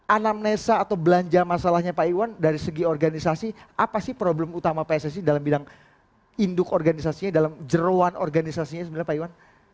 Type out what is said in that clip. anam nesak atau belanja masalahnya pak iwan dari segi organisasi apa sih problem utama pssi dalam bidang induk organisasinya dalam jelasnya